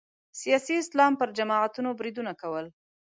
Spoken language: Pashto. سیاسي اسلام پر جماعتونو بریدونه کول